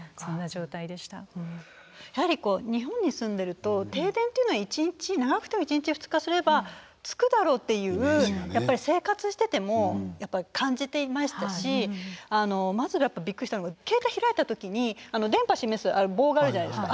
やはりこう日本に住んでると停電っていうのは長くても１日２日すればつくだろうっていうやっぱり生活してても感じていましたしまずやっぱびっくりしたのが携帯開いた時に電波示す棒があるじゃないですか